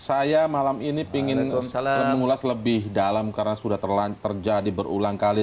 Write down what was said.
saya malam ini ingin mengulas lebih dalam karena sudah terjadi berulang kali